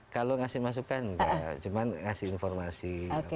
kalau ngasih masukan cuman ngasih informasi